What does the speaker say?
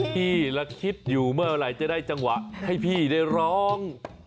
พี่ละคิดอยู่เมื่อไหร่จะได้จังหวะให้พี่ได้ร้อง